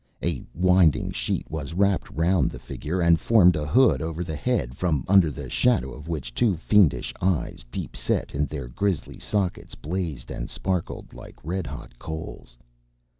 A winding sheet was wrapped round the figure, and formed a hood over the head, from under the shadow of which two fiendish eyes, deep set in their grisly sockets, blazed and sparkled like red hot coals.